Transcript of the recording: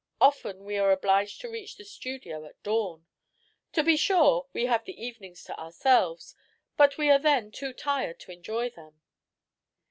Often we are obliged to reach the studio at dawn. To be sure, we have the evenings to ourselves, but we are then too tired to enjoy them."